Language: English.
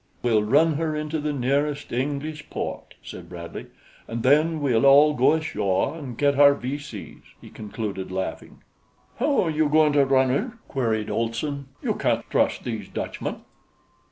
"We'll run her into the nearest English port," said Bradley, "and then we'll all go ashore and get our V. C.'s," he concluded, laughing. "How you goin' to run her?" queried Olson. "You can't trust these Dutchmen."